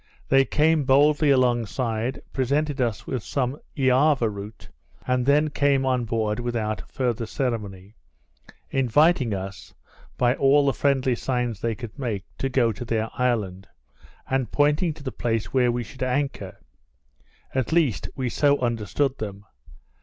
They came boldly alongside, presented us with some Eava root, and then came on board without farther ceremony, inviting us, by all the friendly signs they could make, to go to their island, and pointing to the place where we should anchor; at least we so understood them.